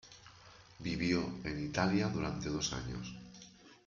Vivió en Italia durante dos años.